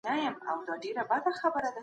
شرکتونه پیغامونه استوي.